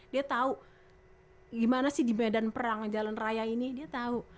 dia tahu gimana sih di medan perang jalan raya ini dia tahu